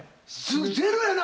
ゼロやな。